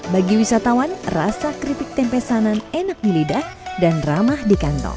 bagi wisatawan rasa keripik tempe sanan enak di lidah dan ramah di kantong